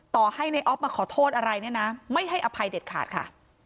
ต่อให้ในออฟมาขอโทษอะไรเนี่ยนะไม่ให้อภัยเด็ดขาดค่ะ